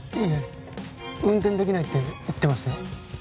いえ運転できないって言ってましたよ